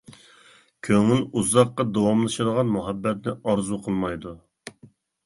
كۆڭۈل ئۇزاققا داۋاملىشىدىغان مۇھەببەتنى ئارزۇ قىلمايدۇ.